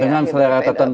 dengan selera tertentu